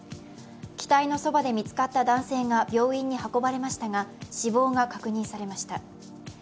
機体のそばで見つかった男性が病院に運ばれましたが死亡が確認されました。